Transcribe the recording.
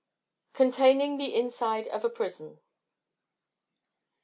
_Containing the inside of a prison.